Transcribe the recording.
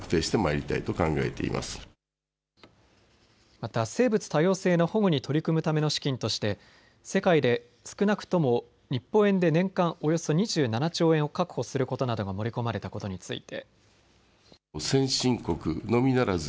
また生物多様性の保護に取り組むための資金として世界で少なくとも日本円で年間およそ２７兆円を確保することなどが盛り込まれたことについて。